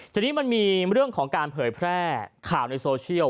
ทีนี้มันมีเรื่องของการเผยแพร่ข่าวในโซเชียล